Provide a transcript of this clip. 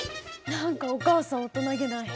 何かお母さん大人げない。